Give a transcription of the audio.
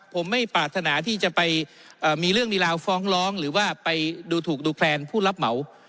ผมไม่ปรารถนาที่จะไปมีเรื่องมีราวฟ้องร้องหรือว่าไปดูถูกดูแคลนผู้รับเหมา